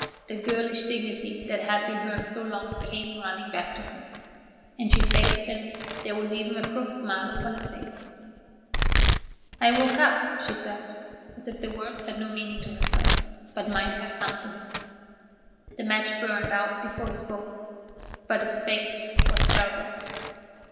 The girlish dignity that had been hers so long came running back to her. As she faced him there was even a crooked smile upon her face. [Illustration: "I woke up," she said.] "I woke up," she said, as if the words had no meaning to herself, but might have some to him. The match burned out before he spoke, but his face was terrible.